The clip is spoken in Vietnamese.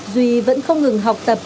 duy vẫn không ngừng học tập